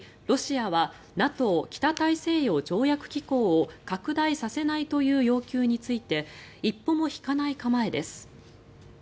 ロシアはＮＡＴＯ・北大西洋条約機構を拡大させないという要求について一歩も引かない構えです。